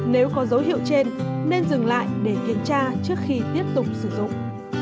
nếu có dấu hiệu trên nên dừng lại để kiểm tra trước khi tiếp tục sử dụng